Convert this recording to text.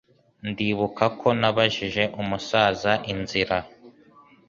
Ndibuka ko nabajije umusaza inzira.